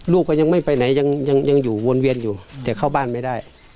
ก็ยังไม่ไปไหนยังอยู่วนเวียนอยู่แต่เข้าบ้านไม่ได้